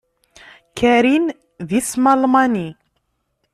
Karin d isem almani.